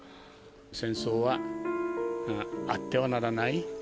戦争はあってはならない。